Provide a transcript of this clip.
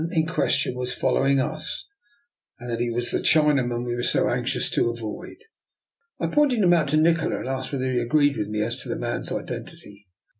145 in question was following us, and that he was the Chinaman we were so anxious to avoid. I pointed him out to Nikola, and asked whether he agreed with me as to the man's identity.